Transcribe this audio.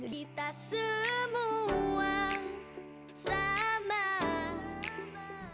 kita semua sama